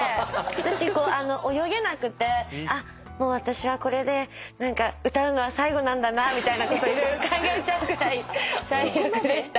私泳げなくてあっもう私はこれで歌うのは最後なんだなみたいなこと色々考えちゃうくらい最悪でした。